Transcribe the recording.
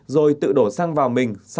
rồi tự đổ xăng vào mình